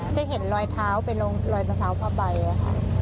จะเห็นลอยเท้าไปลงลอยเท้าพาไปนะค่ะ